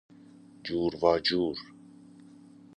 جوراجور